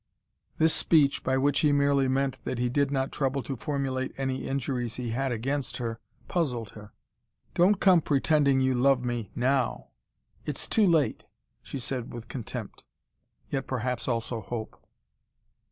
This speech, by which he merely meant that he did not trouble to formulate any injuries he had against her, puzzled her. "Don't come pretending you love me, NOW. It's too late," she said with contempt. Yet perhaps also hope.